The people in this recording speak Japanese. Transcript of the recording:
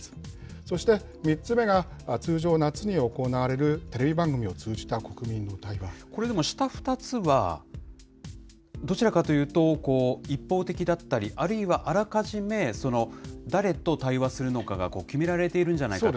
そして３つ目が、通常夏に行われる、テレビ番組を通じた国民とのこれ、でも下２つは、どちらかというと、一方的だったり、あるいはあらかじめ、誰と対話するのかが決められているんじゃないかと。